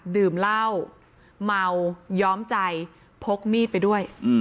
ดื่มเหล้าเมาย้อมใจพกมีดไปด้วย